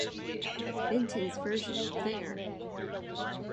Vinton's version of There!